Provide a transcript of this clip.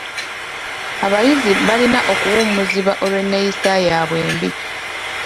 Abayizi balina okuwummuzibwa olw'enneeyisa yabwe embi.